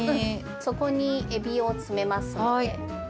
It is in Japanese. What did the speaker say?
そこにエビを詰めますんで。